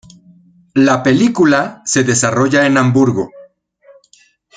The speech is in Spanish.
La película se desarrolla en Hamburgo.